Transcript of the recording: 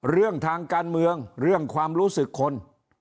เรื่องทางการเมืองเรื่องความรู้สึกคน